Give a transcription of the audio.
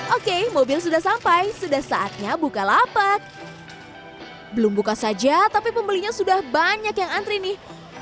oke mobil sudah sampai sudah saatnya bukalapak belum buka saja tapi pembelinya sudah banyak yang antri nih